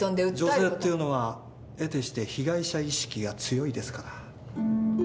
女性っていうのはえてして被害者意識が強いですから。